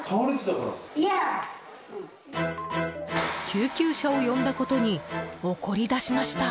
救急車を呼んだことに怒り出しました。